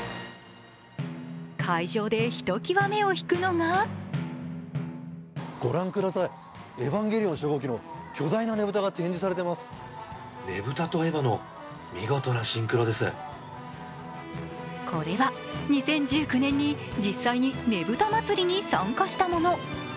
会場でひときわ目を引くのがこれは２０１９年に実際に、ねぶた祭に参加したもの。